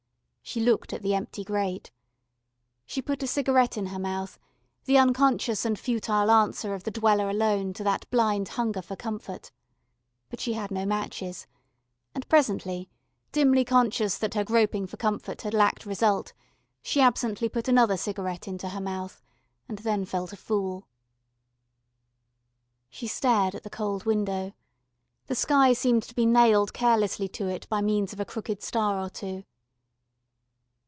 She looked at the empty grate. She put a cigarette in her mouth, the unconscious and futile answer of the Dweller Alone to that blind hunger for comfort. But she had no matches, and presently, dimly conscious that her groping for comfort had lacked result, she absently put another cigarette into her mouth, and then felt a fool. She stared at the cold window. The sky seemed to be nailed carelessly to it by means of a crooked star or two.